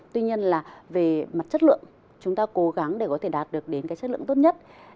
tuy nhiên là về mặt chất lượng chúng ta cố gắng để có thể đạt được đến cái chất lượng tốt nhất